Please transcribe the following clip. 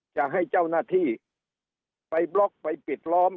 จะให้เจ้าหน้าที่ไปบล็อกไปปิดล้อม